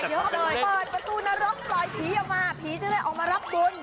เปิดประตูนรกปล่อยผีออกมาผีจะได้ออกมารับบุญ